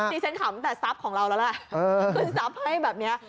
ดีเซ็นคล้ำตั้งแต่ทรัพย์ของเราแล้วล่ะคุณทรัพย์ให้แบบเนี้ย